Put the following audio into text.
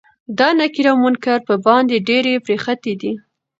دا نکير او منکر په باندې ډيرې پريښتې دي